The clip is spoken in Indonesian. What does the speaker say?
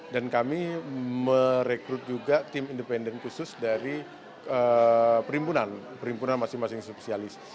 dan kami merekrut juga tim independen khusus dari perimpunan perimpunan masing masing spesialis